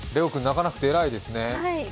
れお君、泣かなくてえらいですね。